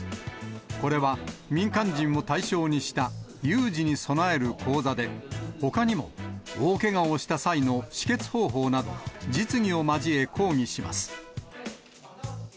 これは民間人を対象にした有事に備える講座で、ほかにも、大けがをした際の止血方法など、実技を交え講義します。